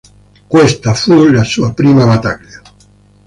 Questa fu la sua prima battaglia.